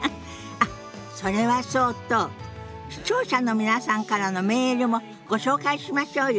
あっそれはそうと視聴者の皆さんからのメールもご紹介しましょうよ。